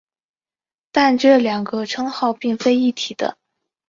但这两个称号并非一体的。